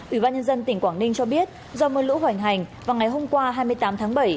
ủy ban nhân dân tỉnh quảng ninh cho biết do mưa lũ hoành hành vào ngày hôm qua hai mươi tám tháng bảy